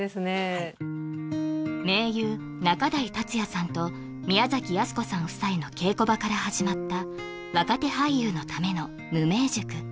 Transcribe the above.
はい名優仲代達矢さんと宮崎恭子さん夫妻の稽古場から始まった若手俳優のための無名塾